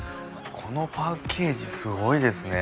このパッケージすごいですね。